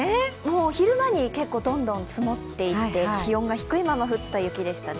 昼間にどんどん積もっていって気温が低いまま降った雪でしたね。